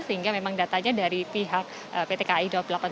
sehingga memang datanya dari pihak pt kai daoblapan